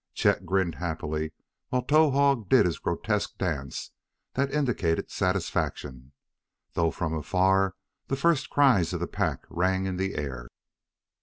Chet grinned happily while Towahg did his grotesque dance that indicated satisfaction, though from afar the first cries of the pack rang in the air.